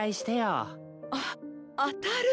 ああたる。